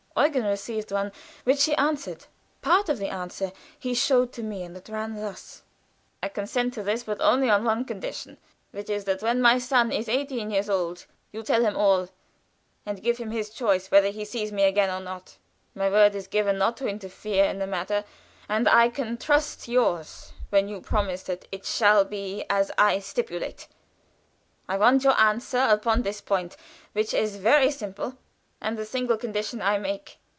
Eugen received one which he answered. Part of the answer he showed to me, and it ran thus: "I consent to this, but only upon one condition, which is that when my son is eighteen years old, you tell him all, and give him his choice whether he see me again or not. My word is given not to interfere in the matter, and I can trust yours when you promise that it shall be as I stipulate. I want your answer upon this point, which is very simple, and the single condition I make.